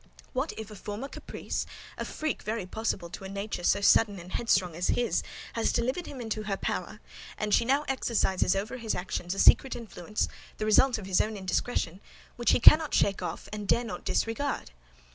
What if a former caprice (a freak very possible to a nature so sudden and headstrong as his) has delivered him into her power, and she now exercises over his actions a secret influence, the result of his own indiscretion, which he cannot shake off, and dare not disregard?"